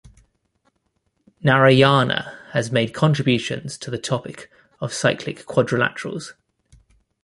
Narayana has also made contributions to the topic of cyclic quadrilaterals.